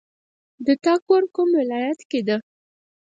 د تا کور کوم ولایت کې ده